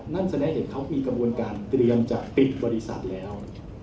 นั่นแสดงให้เห็นเขามีกระบวนการเตรียมจะปิดบริษัทแล้ว